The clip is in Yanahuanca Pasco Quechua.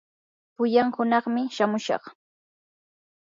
pullan hunaqmi shamushaq.